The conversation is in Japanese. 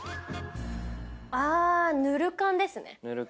あぬる燗ですね。